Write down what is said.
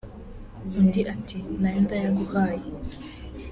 " Undi ati "Na yo ndayiguhaye